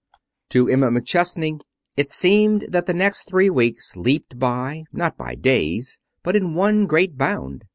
To Emma McChesney it seemed that the next three weeks leaped by, not by days, but in one great bound.